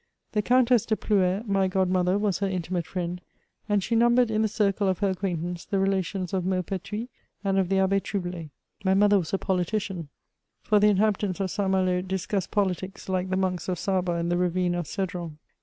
The Countess de Plouer, my godmother, was her intimate Mend, and she numbered in the circle of her acquaintance, the relations of Maupertuis, and of the Abb6 Trublet. My mother was a politician ; for . the 56 MEMOIKS OF inhabitants of iSt. Malo discussed politics like the monks of Saba in the ravine of Cedron.